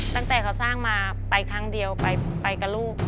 ตั้งแต่เขาสร้างมาไปครั้งเดียวไปกับลูก